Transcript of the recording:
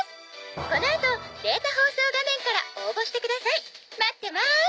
「このあとデータ放送画面から応募してください」「待ってます」